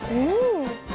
うん！